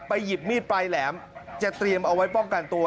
หยิบมีดปลายแหลมจะเตรียมเอาไว้ป้องกันตัว